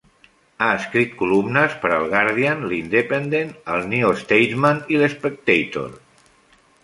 Ha escrit columnes per al Guardian, l'Independent, el New Statesman i l'Spectator.